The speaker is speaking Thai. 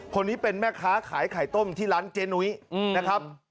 คนนี้เป็นแม่ค้าขายไข่ต้มที่ร้านเจ๊นุ้ยนะครับ